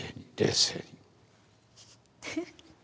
フフッ。